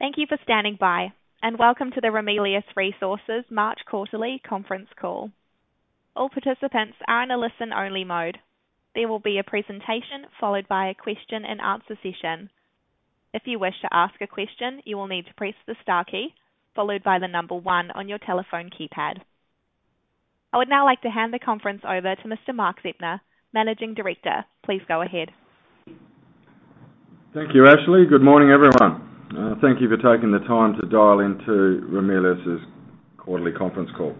Thank you for standing by, and welcome to the Ramelius Resources March Quarterly Conference Call. All participants are in a listen-only mode. There will be a presentation followed by a question-and-answer session. If you wish to ask a question, you will need to press the star key followed by the number 1 on your telephone keypad. I would now like to hand the conference over to Mr. Mark Zeptner, Managing Director. Please go ahead. Thank you, Ashley. Good morning, everyone. Thank you for taking the time to dial into Ramelius's Quarterly Conference Call.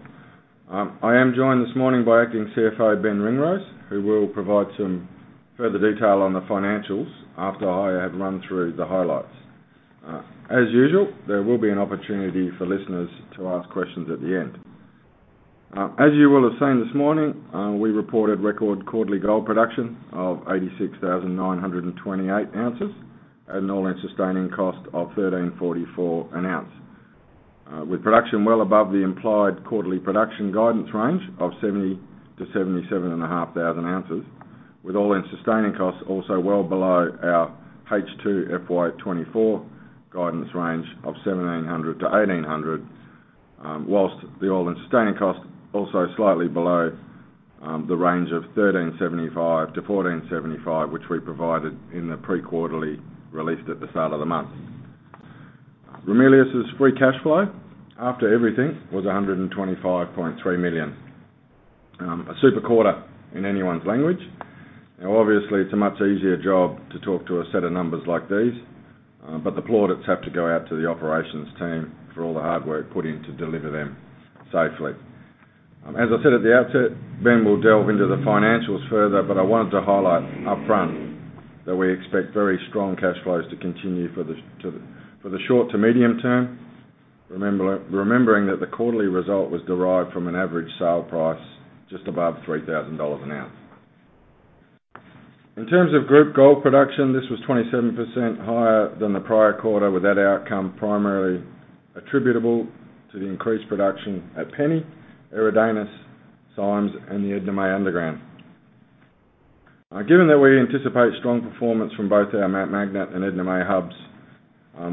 I am joined this morning by Acting CFO Ben Ringrose, who will provide some further detail on the financials after I have run through the highlights. As usual, there will be an opportunity for listeners to ask questions at the end. As you will have seen this morning, we reported record quarterly gold production of 86,928 ounces at an all-in sustaining cost of 1,344 an ounce, with production well above the implied quarterly production guidance range of 70,000 to 77,500 ounces, with all-in sustaining costs also well below our H2FY24 guidance range of 1,700-1,800, while the all-in sustaining cost also slightly below the range of 1,375-1,475, which we provided in the pre-quarterly release at the start of the month. Ramelius's free cash flow, after everything, was 125.3 million, a super quarter in anyone's language. Now, obviously, it's a much easier job to talk to a set of numbers like these, but the plaudits have to go out to the operations team for all the hard work put in to deliver them safely. As I said at the outset, Ben will delve into the financials further, but I wanted to highlight upfront that we expect very strong cash flows to continue for the short to medium term, remembering that the quarterly result was derived from an average sale price just above $3,000 an ounce. In terms of group gold production, this was 27% higher than the prior quarter, with that outcome primarily attributable to the increased production at Penny, Eridanus, Symes, and the Edna May Underground. Given that we anticipate strong performance from both our Mt Magnet and Edna May hubs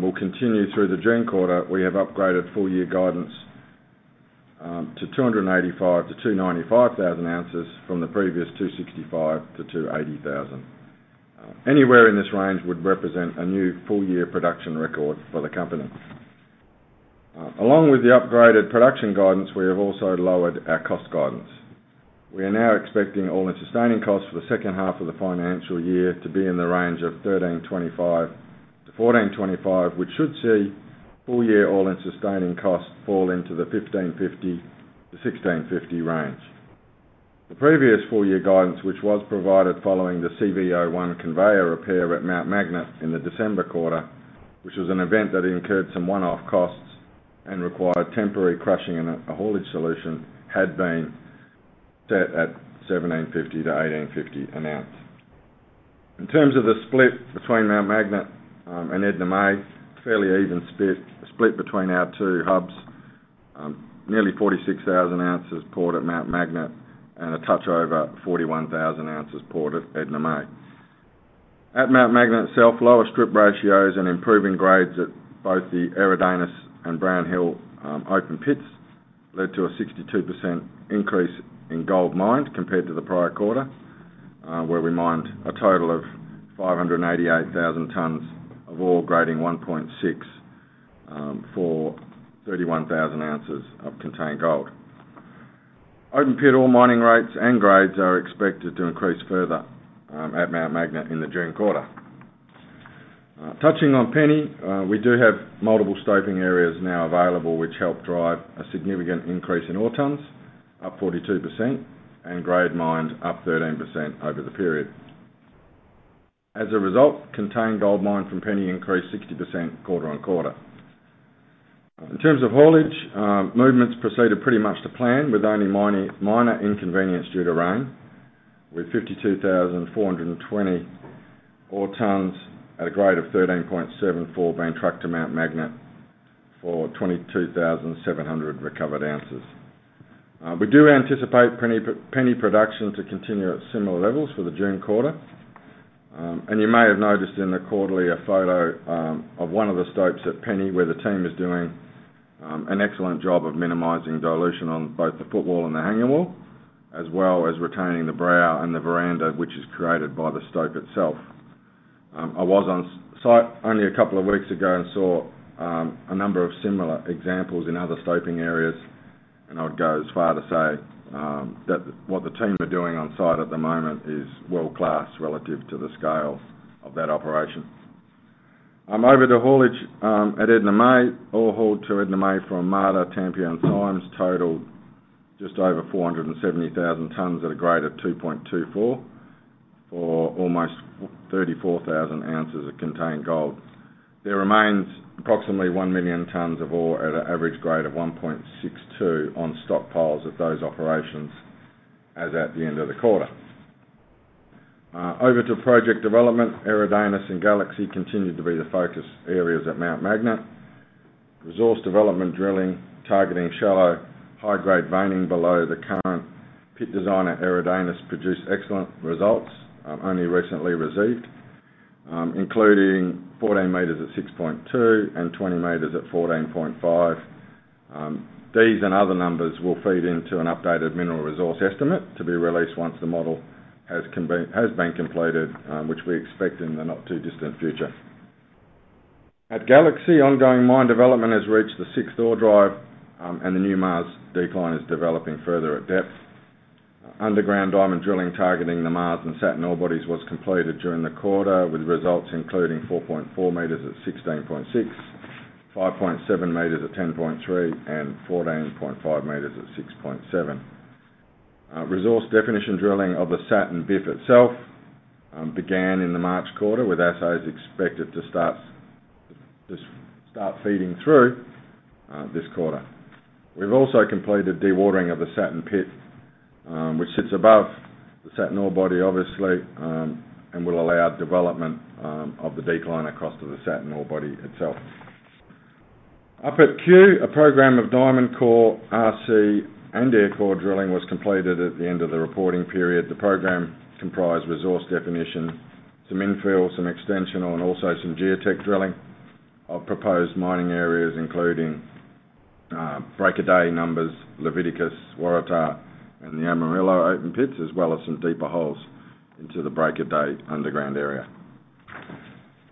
will continue through the June quarter, we have upgraded full-year guidance to 285,000-295,000 ounces from the previous 265,000-280,000. Anywhere in this range would represent a new full-year production record for the company. Along with the upgraded production guidance, we have also lowered our cost guidance. We are now expecting all-in sustaining costs for the second half of the financial year to be in the range of 1,325,000-1,425,000, which should see full-year all-in sustaining costs fall into the 1,550,000-1,650,000 range. The previous full-year guidance, which was provided following the CV01 conveyor repair at Mt Magnet in the December quarter, which was an event that incurred some one-off costs and required temporary crushing and a haulage solution, had been set at 1,750,000-1,850,000 an ounce. In terms of the split between Mt Magnet and Edna May, fairly even split. A split between our two hubs, nearly 46,000 ounces poured at Mt Magnet and a touch over 41,000 ounces poured at Edna May. At Mt Magnet itself, lower strip ratios and improving grades at both the Eridanus and Brown Hill open pits led to a 62% increase in gold mined compared to the prior quarter, where we mined a total of 588,000 tonnes of ore grading 1.6 for 31,000 ounces of contained gold. Open pit ore mining rates and grades are expected to increase further at Mt Magnet in the June quarter. Touching on Penny, we do have multiple stoping areas now available, which help drive a significant increase in ore tonnes, up 42%, and grade mined up 13% over the period. As a result, contained gold mined from Penny increased 60% quarter-on-quarter. In terms of haulage, movements proceeded pretty much to plan, with only minor inconvenience due to rain, with 52,420 ore tonnes at a grade of 13.74 being tracked to Mt Magnet for 22,700 recovered ounces. We do anticipate Penny production to continue at similar levels for the June quarter. And you may have noticed in the quarterly a photo of one of the stopes at Penny, where the team is doing an excellent job of minimizing dilution on both the footwall and the hanging wall, as well as retaining the brow and the veranda, which is created by the stope itself. I was on site only a couple of weeks ago and saw a number of similar examples in other stoping areas. I would go as far to say that what the team are doing on site at the moment is world-class relative to the scale of that operation. Over to haulage at Edna May, ore hauled to Edna May from Marda, Tampia, and Symes totaled just over 470,000 tons at a grade of 2.24 for almost 34,000 ounces of contained gold. There remains approximately 1 million tons of ore at an average grade of 1.62 on stockpiles at those operations as at the end of the quarter. Over to project development, Eridanus and Galaxy continue to be the focus areas at Mt Magnet. Resource development drilling, targeting shallow, high-grade veining below the current pit design at Eridanus produced excellent results, only recently received, including 14 meters at 6.2 and 20 meters at 14.5. These and other numbers will feed into an updated mineral resource estimate to be released once the model has been completed, which we expect in the not-too-distant future. At Galaxy, ongoing mine development has reached the sixth ore drive, and the new Mars decline is developing further at depth. Underground diamond drilling targeting the Mars and Saturn ore bodies was completed during the quarter, with results including 4.4 meters at 16.6, 5.7 meters at 10.3, and 14.5 meters at 6.7. Resource definition drilling of the Saturn BIF itself began in the March quarter, with assays expected to start feeding through this quarter. We've also completed dewatering of the Saturn pit, which sits above the Saturn ore body, obviously, and will allow development of the decline across to the Saturn ore body itself. Up at Cue, a program of diamond core, RC, and air core drilling was completed at the end of the reporting period. The program comprised resource definition, some infill, some extensional, and also some Geotech drilling of proposed mining areas, including Break of Day mine, Leviticus, Waratah, and the Amarillo open pits, as well as some deeper holes into the Break of Day underground area.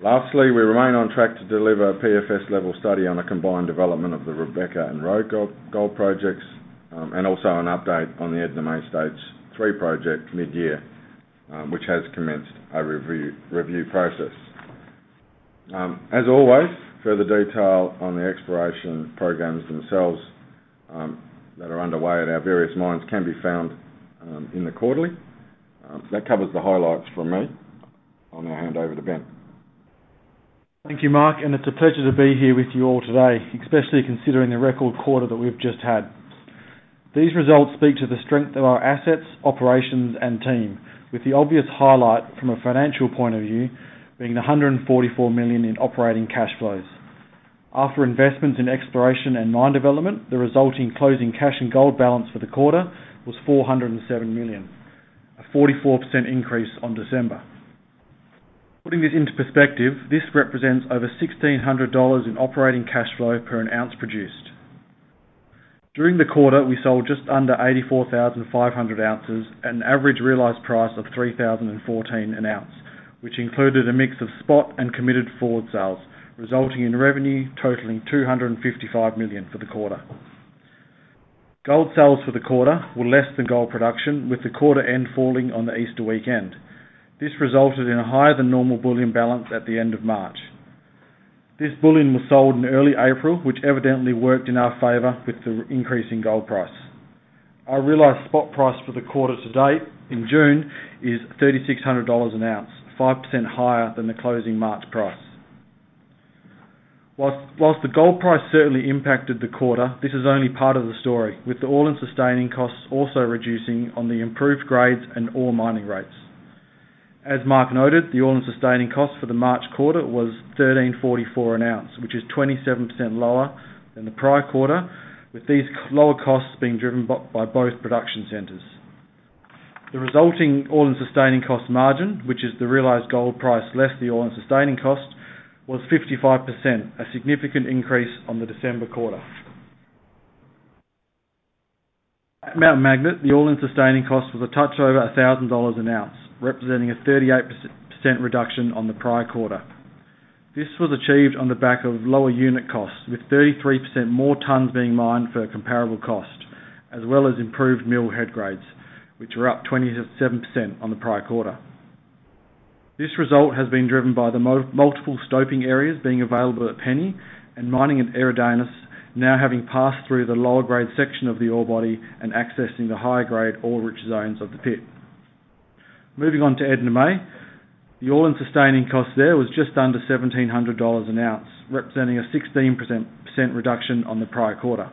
Lastly, we remain on track to deliver a PFS-level study on a combined development of the Rebecca and Roe gold projects and also an update on the Edna May stage three project mid-year, which has commenced a review process. As always, further detail on the exploration programs themselves that are underway at our various mines can be found in the quarterly. That covers the highlights from me. I'm going to hand over to Ben. Thank you, Mark. It's a pleasure to be here with you all today, especially considering the record quarter that we've just had. These results speak to the strength of our assets, operations, and team, with the obvious highlight from a financial point of view being the 144 million in operating cash flows. After investments in exploration and mine development, the resulting closing cash and gold balance for the quarter was 407 million, a 44% increase on December. Putting this into perspective, this represents over 1,600 dollars in operating cash flow per an ounce produced. During the quarter, we sold just under 84,500 ounces at an average realized price of 3,014 an ounce, which included a mix of spot and committed forward sales, resulting in revenue totaling 255 million for the quarter. Gold sales for the quarter were less than gold production, with the quarter end falling on the Easter weekend. This resulted in a higher-than-normal bullion balance at the end of March. This bullion was sold in early April, which evidently worked in our favor with the increasing gold price. Our realized spot price for the quarter to date in June is 3,600 dollars an ounce, 5% higher than the closing March price. While the gold price certainly impacted the quarter, this is only part of the story, with the all-in sustaining costs also reducing on the improved grades and ore mining rates. As Mark noted, the all-in sustaining cost for the March quarter was 1,344 an ounce, which is 27% lower than the prior quarter, with these lower costs being driven by both production centres. The resulting all-in sustaining cost margin, which is the realized gold price less the all-in sustaining cost, was 55%, a significant increase on the December quarter. At Mt Magnet, the all-in sustaining cost was a touch over $1,000 an ounce, representing a 38% reduction on the prior quarter. This was achieved on the back of lower unit costs, with 33% more tons being mined for a comparable cost, as well as improved mill headgrades, which were up 27% on the prior quarter. This result has been driven by the multiple stoping areas being available at Penny and mining at Eridanus now having passed through the lower-grade section of the ore body and accessing the higher-grade ore-rich zones of the pit. Moving on to Edna May, the all-in sustaining cost there was just under $1,700 an ounce, representing a 16% reduction on the prior quarter.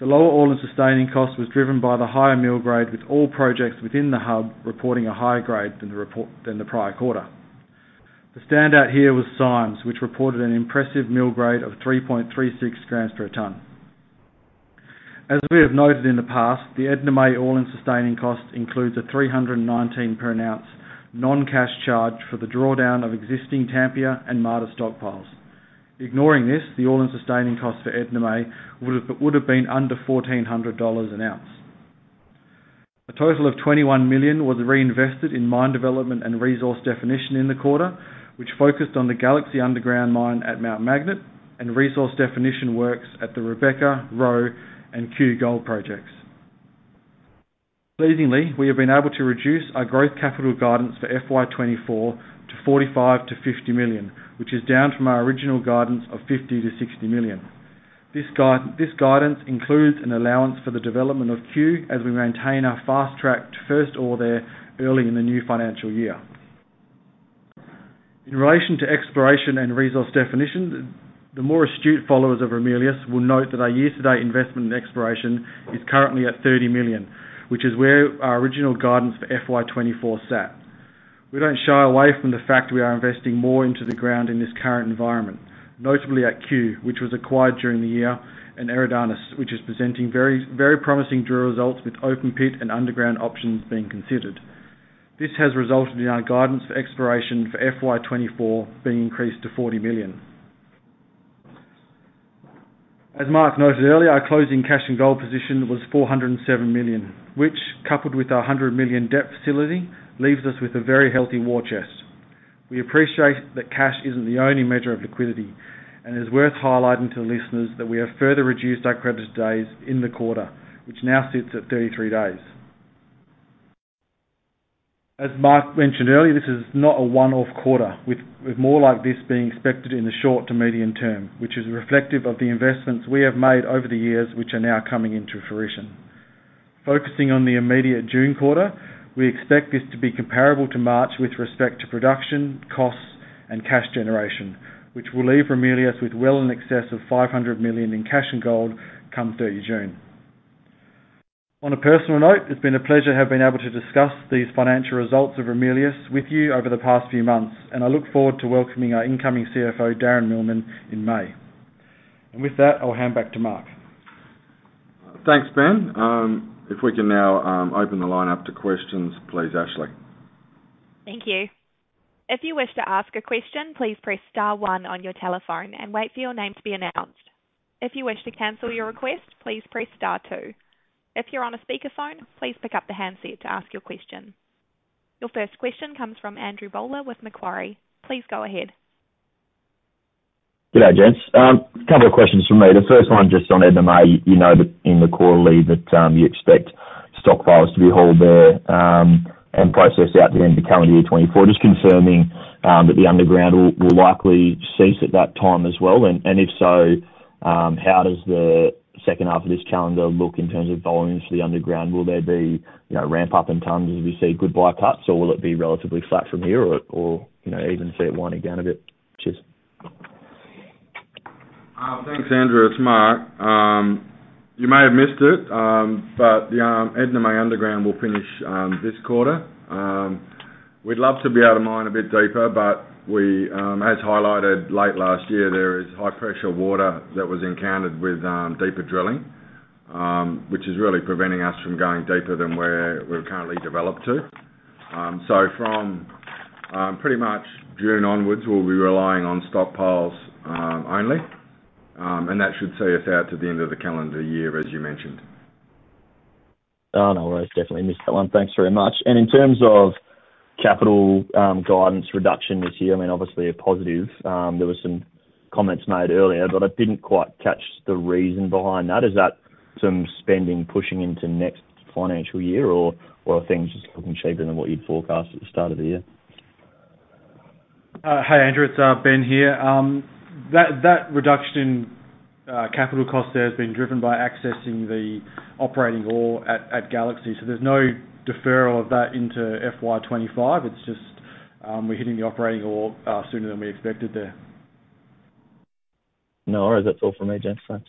The lower all-in sustaining cost was driven by the higher mill grade, with all projects within the hub reporting a higher grade than the prior quarter. The standout here was Symes, which reported an impressive mill grade of 3.36 grams per tonne. As we have noted in the past, the Edna May all-in sustaining cost includes a 319 per ounce non-cash charge for the drawdown of existing Tampia and Marda stockpiles. Ignoring this, the all-in sustaining cost for Edna May would have been under 1,400 dollars an ounce. A total of 21 million was reinvested in mine development and resource definition in the quarter, which focused on the Galaxy underground mine at Mt Magnet and resource definition works at the Rebecca, Roe, and Cue gold projects. Pleasingly, we have been able to reduce our growth capital guidance for FY24 to 45-50 million, which is down from our original guidance of 50-60 million. This guidance includes an allowance for the development of Cue as we maintain our fast-tracked first ore there early in the new financial year. In relation to exploration and resource definition, the more astute followers of Ramelius will note that our year-to-date investment in exploration is currently at 30 million, which is where our original guidance for FY24 sat. We don't shy away from the fact we are investing more into the ground in this current environment, notably at Cue, which was acquired during the year, and Eridanus, which is presenting very promising drill results with open pit and underground options being considered. This has resulted in our guidance for exploration for FY24 being increased to 40 million. As Mark noted earlier, our closing cash and gold position was 407 million, which, coupled with our 100 million debt facility, leaves us with a very healthy war chest. We appreciate that cash isn't the only measure of liquidity, and it's worth highlighting to the listeners that we have further reduced our credit days in the quarter, which now sits at 33 days. As Mark mentioned earlier, this is not a one-off quarter, with more like this being expected in the short to medium term, which is reflective of the investments we have made over the years, which are now coming into fruition. Focusing on the immediate June quarter, we expect this to be comparable to March with respect to production, costs, and cash generation, which will leave Ramelius with well in excess of 500 million in cash and gold come 30 June. On a personal note, it's been a pleasure having been able to discuss these financial results of Ramelius with you over the past few months, and I look forward to welcoming our incoming CFO, Darren Millman, in May. With that, I'll hand back to Mark. Thanks, Ben. If we can now open the line up to questions, please, Ashley. Thank you. If you wish to ask a question, please press star one on your telephone and wait for your name to be announced. If you wish to cancel your request, please press star two. If you're on a speakerphone, please pick up the handset to ask your question. Your first question comes from Andrew Bowler with Macquarie. Please go ahead. Good day, Gents. A couple of questions from me. The first one just on Edna May. You know that in the quarterly that you expect stockpiles to be hauled there and processed out the end of calendar year 2024. Just confirming that the underground will likely cease at that time as well. And if so, how does the second half of this calendar look in terms of volumes for the underground? Will there be ramp-up in tonnes as we see good buy cuts, or will it be relatively flat from here or even start winding down a bit? Cheers. Thanks, Andrew. It's Mark. You may have missed it, but the Edna May underground will finish this quarter. We'd love to be able to mine a bit deeper, but as highlighted late last year, there is high-pressure water that was encountered with deeper drilling, which is really preventing us from going deeper than where we're currently developed to. So from pretty much June onwards, we'll be relying on stockpiles only, and that should see us out to the end of the calendar year, as you mentioned. Oh, no worries. Definitely missed that one. Thanks very much. And in terms of capital guidance reduction this year, I mean, obviously, a positive. There were some comments made earlier, but I didn't quite catch the reason behind that. Is that some spending pushing into next financial year, or are things just looking cheaper than what you'd forecast at the start of the year? Hi, Andrew. It's Ben here. That reduction in capital cost there has been driven by accessing the operating ore at Galaxy. So there's no deferral of that into FY25. It's just we're hitting the operating ore sooner than we expected there. No worries. That's all from me, Gents. Thanks.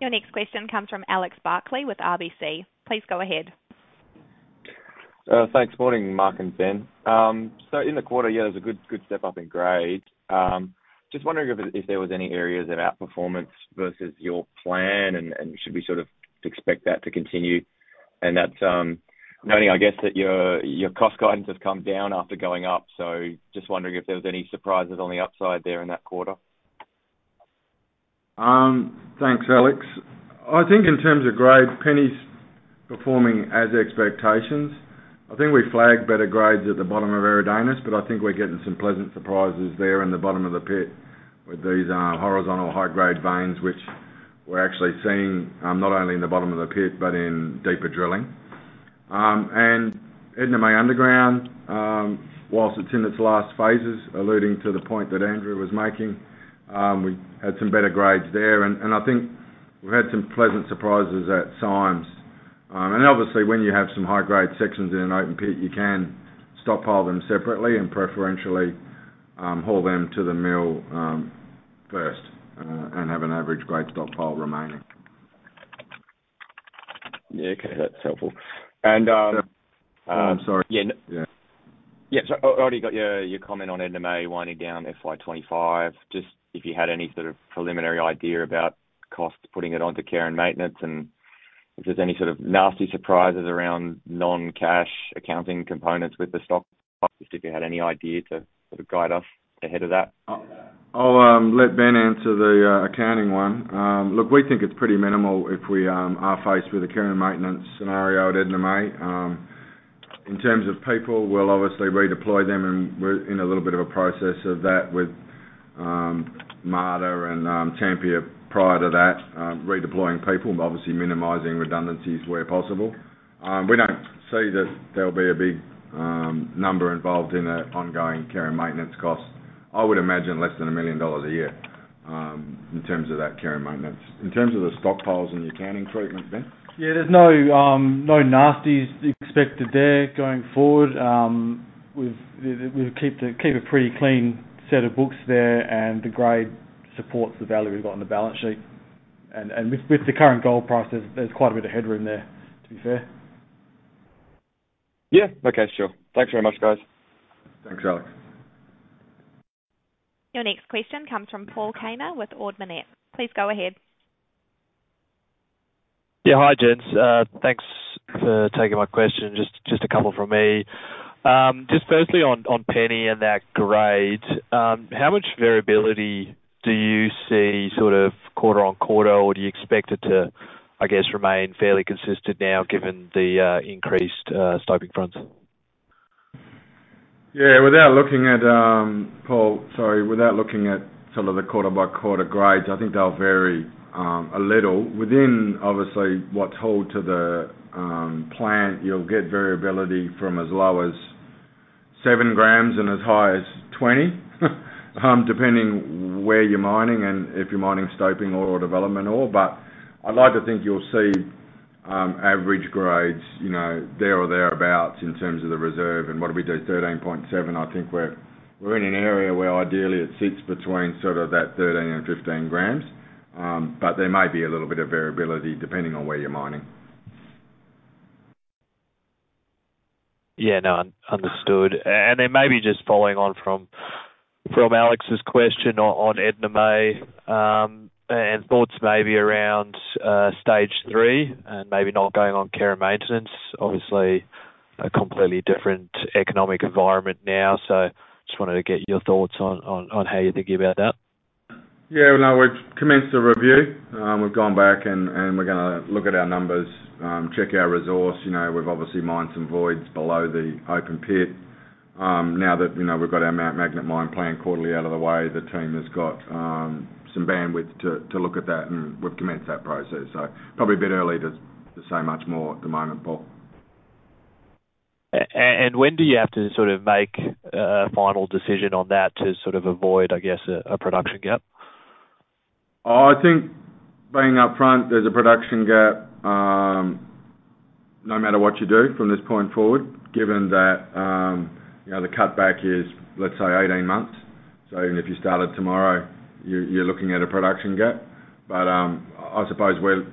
Your next question comes from Alex Barkley with RBC. Please go ahead. Thanks. Morning, Mark and Ben. So in the quarter, yeah, there's a good step up in grades. Just wondering if there was any areas of outperformance versus your plan, and should we sort of expect that to continue? And that's noting, I guess, that your cost guidance has come down after going up. So just wondering if there was any surprises on the upside there in that quarter. Thanks, Alex. I think in terms of grade, Penny's performing as expectations. I think we flagged better grades at the bottom of Eridanus, but I think we're getting some pleasant surprises there in the bottom of the pit with these horizontal high-grade veins, which we're actually seeing not only in the bottom of the pit but in deeper drilling. Edna May underground, while it's in its last phases, alluding to the point that Andrew was making, we had some better grades there. I think we've had some pleasant surprises at Symes. Obviously, when you have some high-grade sections in an open pit, you can stockpile them separately and preferentially haul them to the mill first and have an average-grade stockpile remaining. Yeah. Okay. That's helpful. And. Oh, I'm sorry. Yeah. Yeah. So I already got your comment on Edna May winding down FY25. Just if you had any sort of preliminary idea about costs putting it onto care and maintenance, and if there's any sort of nasty surprises around non-cash accounting components with the stockpiles, just if you had any idea to sort of guide us ahead of that? I'll let Ben answer the accounting one. Look, we think it's pretty minimal if we are faced with a care and maintenance scenario at Edna May. In terms of people, we'll obviously redeploy them, and we're in a little bit of a process of that with Marda and Tampia prior to that, redeploying people, obviously minimizing redundancies where possible. We don't see that there'll be a big number involved in an ongoing care and maintenance cost. I would imagine less than 1 million dollars a year in terms of that care and maintenance. In terms of the stockpiles and the accounting treatment, Ben? Yeah. There's no nasties expected there going forward. We'll keep a pretty clean set of books there, and the grade supports the value we've got in the balance sheet. With the current gold price, there's quite a bit of headroom there, to be fair. Yeah. Okay. Sure. Thanks very much, guys. Thanks, Alex. Your next question comes from Paul Kaner with Ord Minnett. Please go ahead. Yeah. Hi, Gents. Thanks for taking my question. Just a couple from me. Just firstly, on Penny and that grade, how much variability do you see sort of quarter-on-quarter, or do you expect it to, I guess, remain fairly consistent now given the increased stoping funds? Yeah. Without looking at sort of the quarter-by-quarter grades, I think they'll vary a little. Within, obviously, what's hauled to the plant, you'll get variability from as low as 7 grams and as high as 20, depending where you're mining and if you're mining stoping ore or development ore. But I'd like to think you'll see average grades there or thereabouts in terms of the reserve. And what do we do? 13.7. I think we're in an area where, ideally, it sits between sort of that 13 and 15 grams. But there may be a little bit of variability depending on where you're mining. Yeah. No. Understood. And then maybe just following on from Alex's question on Edna May and thoughts maybe around stage three and maybe not going on care and maintenance. Obviously, a completely different economic environment now. So just wanted to get your thoughts on how you're thinking about that. Yeah. No. We've commenced the review. We've gone back, and we're going to look at our numbers, check our resource. We've obviously mined some voids below the open pit. Now that we've got our Mt Magnet mine plan quarterly out of the way, the team has got some bandwidth to look at that, and we've commenced that process. So probably a bit early to say much more at the moment, Paul. When do you have to sort of make a final decision on that to sort of avoid, I guess, a production gap? I think, being upfront, there's a production gap no matter what you do from this point forward, given that the cutback is, let's say, 18 months. So even if you started tomorrow, you're looking at a production gap. But I suppose we're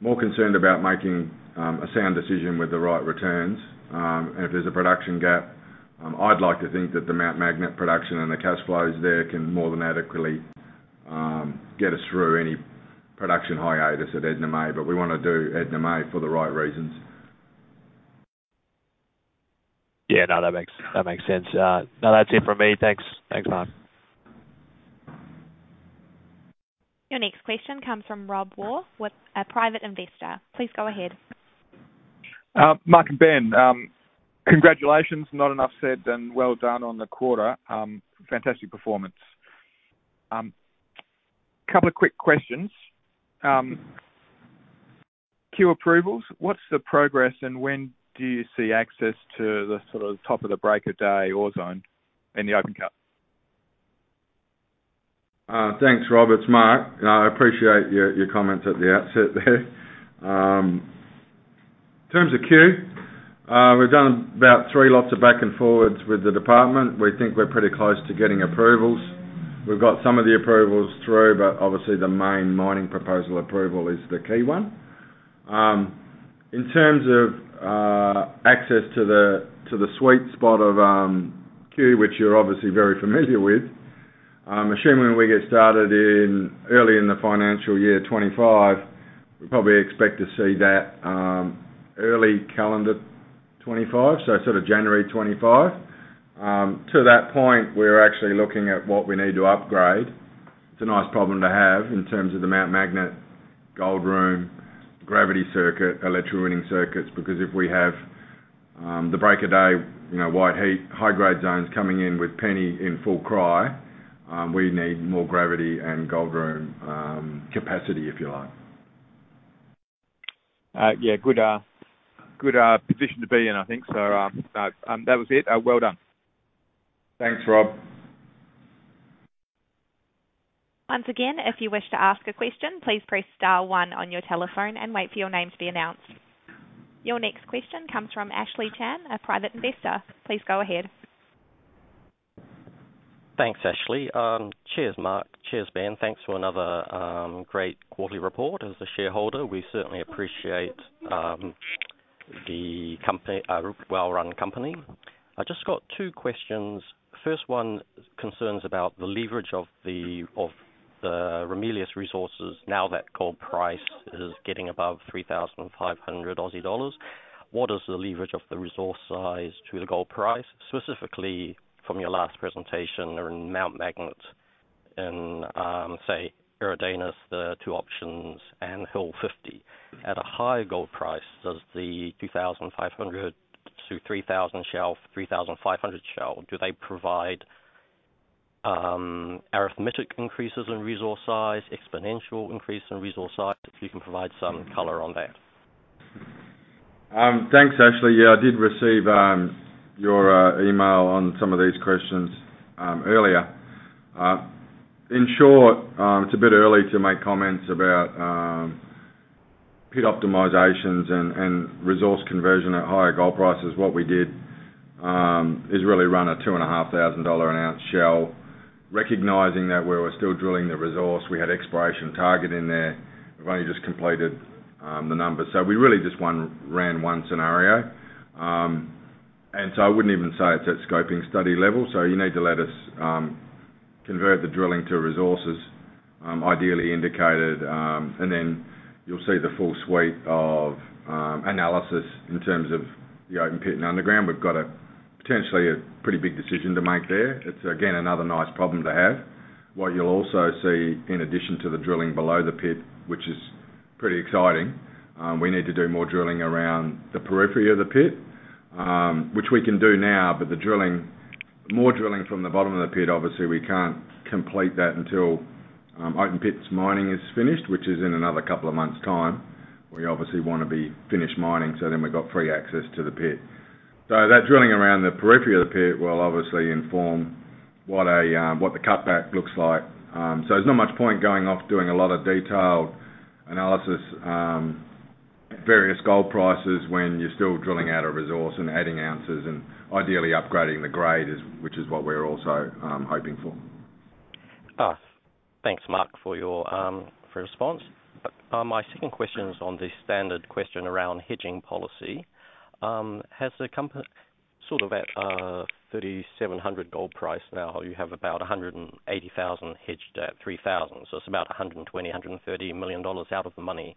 more concerned about making a sound decision with the right returns. And if there's a production gap, I'd like to think that the Mt Magnet production and the cash flows there can more than adequately get us through any production hiatus at Edna May. But we want to do Edna May for the right reasons. Yeah. No. That makes sense. No. That's it from me. Thanks. Thanks, Mark. Your next question comes from Rob Waugh with a private investor. Please go ahead. Mark and Ben, congratulations. Not enough said, and well done on the quarter. Fantastic performance. A couple of quick questions. Cue approvals, what's the progress, and when do you see access to the sort of top of the Break of Day ore zone in the open cut? Thanks, Robert. It's Mark. I appreciate your comments at the outset there. In terms of Cue, we've done about three lots of back and forwards with the department. We think we're pretty close to getting approvals. We've got some of the approvals through, but obviously, the main mining proposal approval is the key one. In terms of access to the sweet spot of Cue, which you're obviously very familiar with, assuming we get started early in the financial year 2025, we probably expect to see that early calendar 2025, so sort of January 2025. To that point, we're actually looking at what we need to upgrade. It's a nice problem to have in terms of the Mt Magnet gold room, gravity circuit, electro-winning circuits. Because if we have the Break of Day, White Heat, high-grade zones coming in with Penny in full cry, we need more gravity and gold room capacity, if you like. Yeah. Good position to be in, I think. So that was it. Well done. Thanks, Rob. Once again, if you wish to ask a question, please press star one on your telephone and wait for your name to be announced. Your next question comes from Ashley Chan, a private investor. Please go ahead. Thanks, Ashley. Cheers, Mark. Cheers, Ben. Thanks for another great quarterly report. As a shareholder, we certainly appreciate the well-run company. I just got two questions. First one concerns about the leverage of the Ramelius Resources. Now that gold price is getting above 3,500 Aussie dollars, what is the leverage of the resource size to the gold price? Specifically, from your last presentation in Mt Magnet and, say, Eridanus, the two options and Hill 50, at a higher gold price, does the 2,500-3,000 shell, 3,500 shell, do they provide arithmetic increases in resource size, exponential increase in resource size? If you can provide some color on that. Thanks, Ashley. Yeah. I did receive your email on some of these questions earlier. In short, it's a bit early to make comments about pit optimizations and resource conversion at higher gold prices. What we did is really run a $2,500-an-ounce shell, recognizing that we were still drilling the resource. We had exploration target in there. We've only just completed the numbers. So we really just ran one scenario. So I wouldn't even say it's at scoping study level. So you need to let us convert the drilling to resources, ideally indicated. And then you'll see the full suite of analysis in terms of the open pit and underground. We've got potentially a pretty big decision to make there. It's, again, another nice problem to have. What you'll also see, in addition to the drilling below the pit, which is pretty exciting, we need to do more drilling around the periphery of the pit, which we can do now. But more drilling from the bottom of the pit, obviously, we can't complete that until open pit mining is finished, which is in another couple of months' time. We obviously want to be finished mining so then we've got free access to the pit. So that drilling around the periphery of the pit will obviously inform what the cutback looks like. So there's not much point going off doing a lot of detailed analysis at various gold prices when you're still drilling out a resource and adding ounces and ideally upgrading the grade, which is what we're also hoping for. Thanks, Mark, for your response. My second question is on the standard question around hedging policy. Sort of at a $3,700 gold price now, you have about 180,000 hedged at $3,000. So it's about $120 million-$130 million out of the money.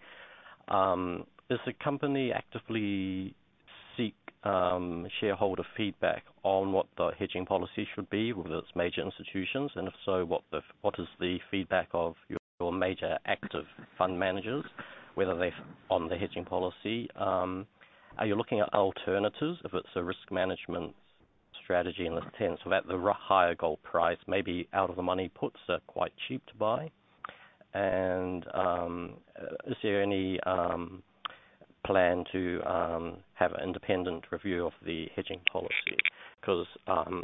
Does the company actively seek shareholder feedback on what the hedging policy should be with its major institutions? And if so, what is the feedback of your major active fund managers, whether they're on the hedging policy? Are you looking at alternatives, if it's a risk management strategy in this sense? So at the higher gold price, maybe out-of-the-money puts are quite cheap to buy. And is there any plan to have an independent review of the hedging policy? Because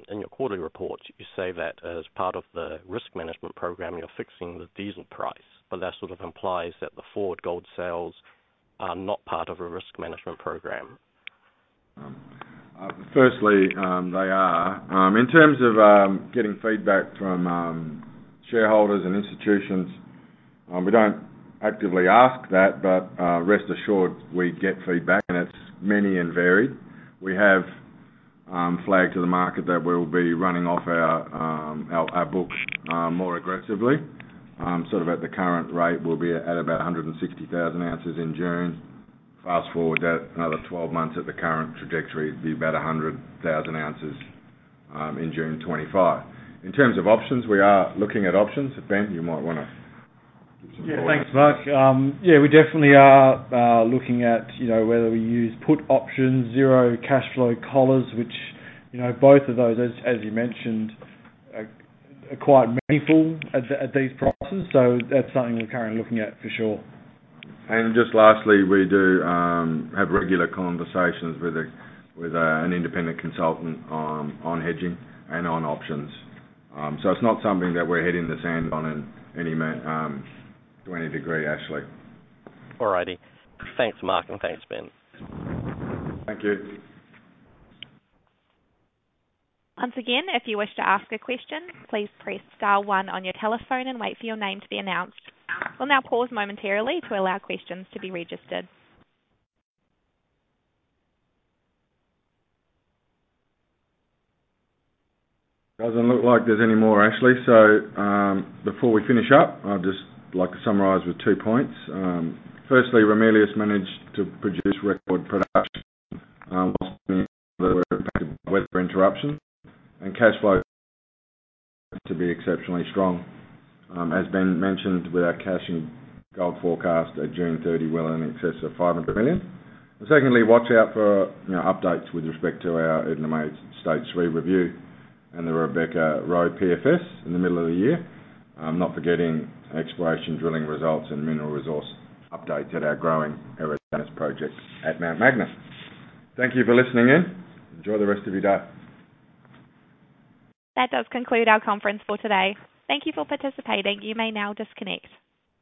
in your quarterly report, you say that as part of the risk management program, you're fixing the diesel price. But that sort of implies that the forward gold sales are not part of a risk management program. Firstly, they are. In terms of getting feedback from shareholders and institutions, we don't actively ask that. But rest assured, we get feedback, and it's many and varied. We have flagged to the market that we'll be running off our book more aggressively. Sort of at the current rate, we'll be at about 160,000 ounces in June. Fast-forward another 12 months at the current trajectory, it'd be about 100,000 ounces in June 2025. In terms of options, we are looking at options. Ben, you might want to give some thoughts. Yeah. Thanks, Mark. Yeah. We definitely are looking at whether we use put options, zero cash flow collars, which both of those, as you mentioned, are quite meaningful at these prices. So that's something we're currently looking at, for sure. And just lastly, we do have regular conversations with an independent consultant on hedging and on options. So it's not something that we're burying our head in the sand on in any degree, Ashley. All righty. Thanks, Mark, and thanks, Ben. Thank you. Once again, if you wish to ask a question, please press star one on your telephone and wait for your name to be announced. We'll now pause momentarily to allow questions to be registered. Doesn't look like there's any more, Ashley. So before we finish up, I'd just like to summarize with two points. Firstly, Ramelius managed to produce record production while many other weather interruptions, and cash flow to be exceptionally strong. As Ben mentioned, with our cash and gold forecast at June 30, well in excess of 500 million. And secondly, watch out for updates with respect to our Edna May stage three review and the Rebecca and Roe PFS in the middle of the year, not forgetting exploration drilling results and mineral resource updates at our growing Eridanus project at Mt Magnet. Thank you for listening in. Enjoy the rest of your day. That does conclude our conference for today. Thank you for participating. You may now disconnect.